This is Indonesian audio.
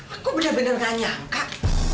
aku benar benar nanya kak